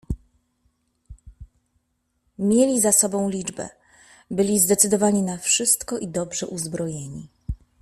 "Mieli za sobą liczbę, byli zdecydowani na wszystko i dobrze uzbrojeni."